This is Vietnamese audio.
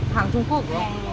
hàng trung quốc